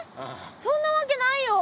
そんなわけないよ！